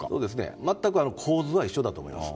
全く構図は一緒だと思います。